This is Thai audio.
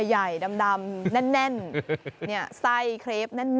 ใหญ่ดำแน่นไส้เครปแน่น